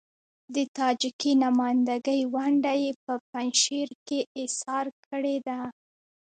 د تاجکي نمايندګۍ ونډه يې په پنجشیر کې اېسار کړې ده.